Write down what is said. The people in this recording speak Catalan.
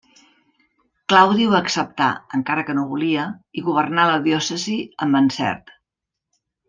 Claudi ho acceptà, encara que no volia, i governà la diòcesi amb encert.